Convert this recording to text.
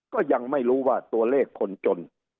ก็ยังไม่รู้ว่าตัวเลขคนจน